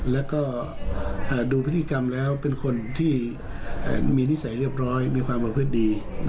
แล้วก็ดูพฤติกรรมแล้วเป็นคนที่มีนิสัยเรียบร้อยมีความประพฤติดี